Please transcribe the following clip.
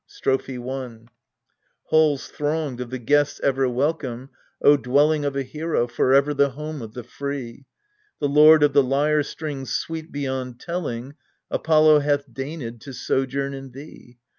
Strophe i Halls thronged of the guests ever welcome, O dwelling Of a hero, forever the home of the free, The lord of the lyre strings sweet beyond telling, Apollo hath deigned to sojourn in thee.